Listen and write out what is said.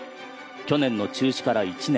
去年の中止から１年。